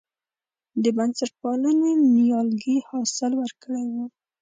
د بنسټپالنې نیالګي حاصل ورکړی و.